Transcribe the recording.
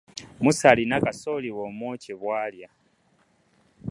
Musa alina kasooli we omwokye bw'alya.